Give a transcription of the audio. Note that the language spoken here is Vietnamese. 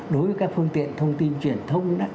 đối với các phương tiện thông tin truyền thông